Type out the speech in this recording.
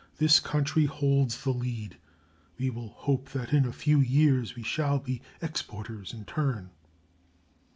this country holds the lead. We will hope that in a few years we shall be exporters in turn.